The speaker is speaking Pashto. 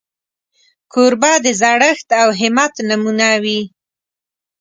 کوربه د زړښت او همت نمونه وي.